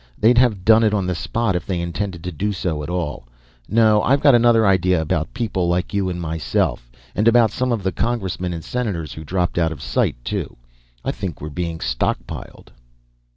They'd have done it on the spot if they intended to do so at all. No, I've got another idea about people like you and myself. And about some of the Congressmen and Senators who dropped out of sight, too. I think we're being stockpiled."